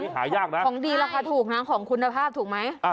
หายากนะของดีราคาถูกนะของคุณภาพถูกไหม